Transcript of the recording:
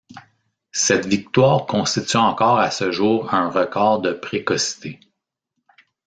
Cette victoire constitue encore à ce jour un record de précocité.